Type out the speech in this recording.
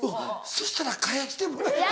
そしたら返してもらえない？